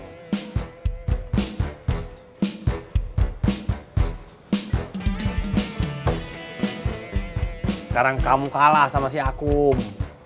sekarang kamu kalah sama si akum